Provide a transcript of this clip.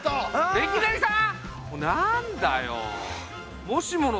レキデリさん！